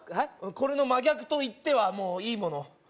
これの真逆といってはいいもの